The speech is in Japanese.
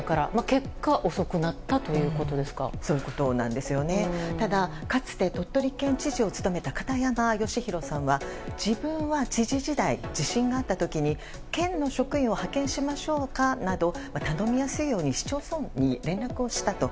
結果、遅くなったただ、かつて鳥取県知事を務めた片山善博さんは自分は知事時代地震があった時に、県の職員を派遣しましょうか？など頼みやすいように市町村に連絡をしたと。